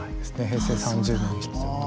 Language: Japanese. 平成３０年。